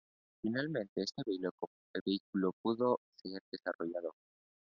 Finalmente, este vehículo nunca pudo ser desarrollado.